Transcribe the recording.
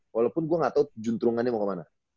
walaupun gue gak tau juntrungannya mau kemana